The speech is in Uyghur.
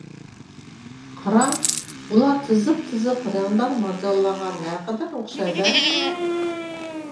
قاراڭ، ئۇلار تىزىق-تىزىق رەڭدار مارجانلارغا نەقەدەر ئوخشايدۇ-ھە!